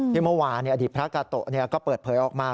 เมื่อวานอดีตพระกาโตะก็เปิดเผยออกมา